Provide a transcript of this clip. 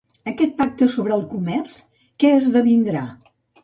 Aquest pacte sobre el comerç, què esdevindrà?